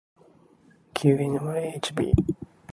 きう ｎｙｈｂ